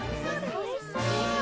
おいしそう。